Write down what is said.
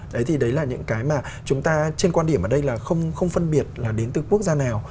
đấy thì đấy là những cái mà chúng ta trên quan điểm ở đây là không phân biệt là đến từ quốc gia nào